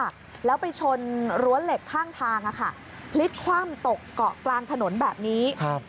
พลิกความตกเกาะกลางถนนแบบนี้